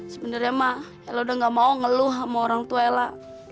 sebenernya mak elah udah enggak mau ngeluh sama orang tua elah